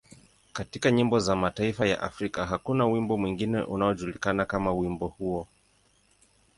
Katika nyimbo za mataifa ya Afrika, hakuna wimbo mwingine unaojulikana kama wimbo huo.